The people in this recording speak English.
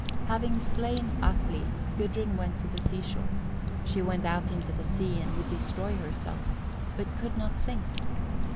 Having slain Atli, Gudrun went to the sea shore. She went out into the sea, and would destroy herself, but could not sink.